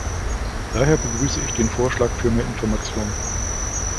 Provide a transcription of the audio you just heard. Daher begrüße ich den Vorschlag für mehr Information.